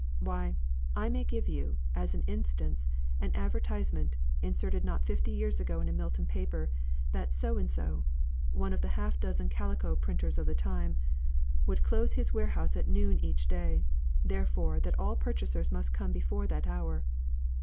Why, I may give you, as an instance, an advertisement, inserted not fifty years ago in a Milton paper, that so and so (one of the half dozen calico printers of the time) would close his warehouse at noon each day; therefore, that all purchasers must come before that hour.